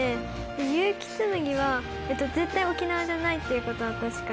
結城紬は絶対沖縄じゃないっていうことは確かで。